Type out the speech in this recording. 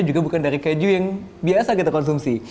juga bukan dari keju yang biasa kita konsumsi